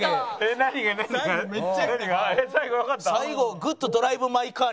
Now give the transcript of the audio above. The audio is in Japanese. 最後グッと。